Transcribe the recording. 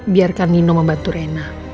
biarkan nino membantu rena